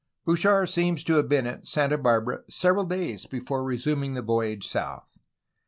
Bouchard seems to have been at Santa Barbara several days before resuming the voyage south.